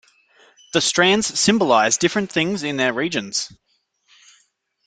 The strands symbolize different things in their regions.